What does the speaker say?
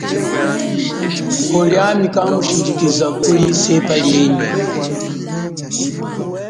Pwo liami kamushindjikiza kuli sepa lienyi.